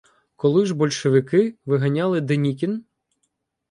Коли ж большевики виганяли денікін-